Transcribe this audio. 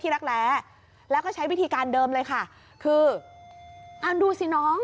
รักแร้แล้วก็ใช้วิธีการเดิมเลยค่ะคือเอาดูสิน้อง